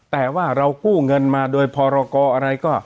แต่ว่าเรากู้เงินมาโดยพรกรอะไรก็